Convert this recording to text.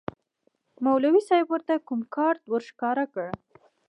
مولوي صاحب ورته کوم کارت ورښکاره کړ.